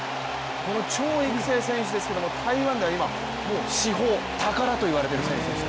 この張育成選手ですが台湾では今、もう至宝、宝と言われている選手。